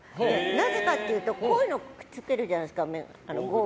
なぜかというとゴーグルをつけるじゃないですか。